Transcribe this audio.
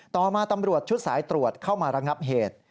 ต่อมาตำรวจชุดสายตรวจเข้ามาระงับเหตุ